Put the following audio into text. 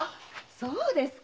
そうですか。